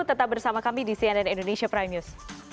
tetap bersama kami di cnn indonesia prime news